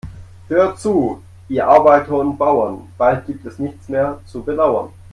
Hört zu, ihr Arbeiter und Bauern, bald gibt es nichts mehr zu bedauern.